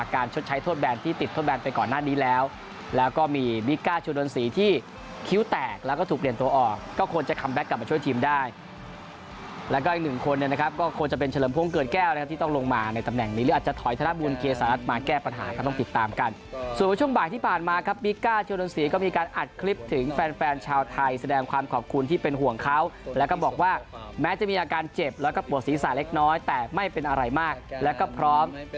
คนเนี่ยนะครับก็คงจะเป็นเฉลิมพ่วงเกิดแก้วนะครับที่ต้องลงมาในตำแห่งนี้หรืออาจจะถอยธนบุญเกษฐรัฐมาแก้ปัญหาก็ต้องติดตามกันส่วนช่วงบ่ายที่ผ่านมาครับบีก้าเชียวดนตรีก็มีการอัดคลิปถึงแฟนแฟนชาวไทยแสดงความขอบคุณที่เป็นห่วงเขาแล้วก็บอกว่าแม้จะมีอาการเจ็บแล้วก็